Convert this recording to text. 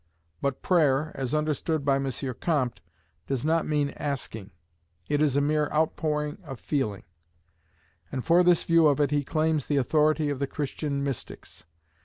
But prayer, as understood by M. Comte, does not mean asking; it is a mere outpouring of feeling; and for this view of it he claims the authority of the Christian mystics.